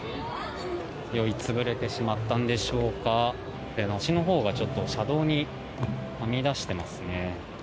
酔い潰れてしまったんでしょうか足のほうが車道にはみ出していますね。